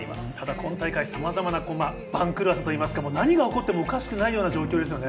今大会さまざまな番狂わせというか何が起こっても、おかしくない状況ですね。